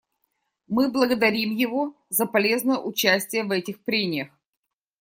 Мы благодарим его за полезное участие в этих прениях.